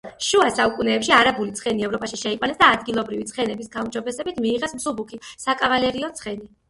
შუა საუკუნეებში არაბული ცხენი ევროპაში შეიყვანეს და ადგილობრივი ცხენების გაუმჯობესებით მიიღეს მსუბუქი საკავალერიო ცხენი.